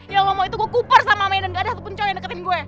ya allah mau itu gue kupar sama amey dan gak ada satupun cowok yang deketin gue